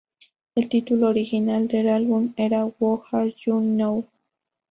El título original del álbum era "Who Are You Now?